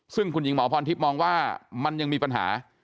ซึ่งคุณหญิงหมอพรทิพย์มองว่ามันยังมีปัญหา